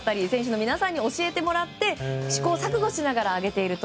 みんなに教えてもらって試行錯誤しながら上げていると。